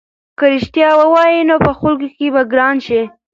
که رښتیا ووایې نو په خلکو کې به ګران شې.